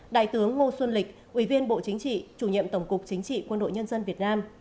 đại tướng ngô xuân lịch ủy viên bộ chính trị chủ nhiệm tổng cục chính trị quân đội nhân dân việt nam